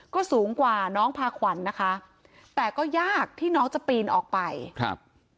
ก็สูงกว่าน้องพาขวัญนะคะแต่ก็ยากที่น้องจะปีนออกไปครับ